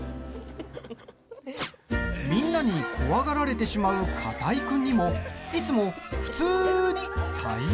みんなに怖がられてしまう片居君にも、いつも普通に対応。